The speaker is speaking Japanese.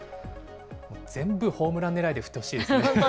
全部ホームラン狙いで振ってほしいですね。